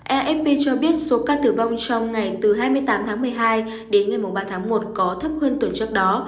efp cho biết số ca tử vong trong ngày từ hai mươi tám tháng một mươi hai đến ngày ba tháng một có thấp hơn tuần trước đó